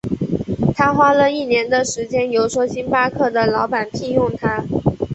他花了一年的时间游说星巴克的老板聘用他。